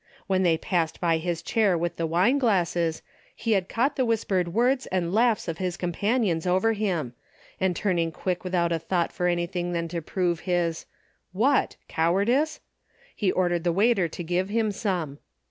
When they passed by his chair with the wine glasses, he had caught the whispered words and laughs of his companions over him, and turning quick without a thought for anything than to prove his — what ?— cow ardice? he ordered the waiter to give him some.